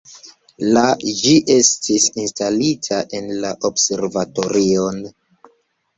La ĝi estis instalita en la observatorion.